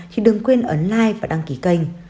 thì đừng quên ấn like và đăng ký kênh